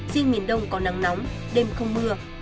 riêng miền đông có nắng nóng đêm không mưa